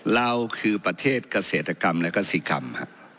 เราคือประเทศเกษตรกรรมและกษีกรรม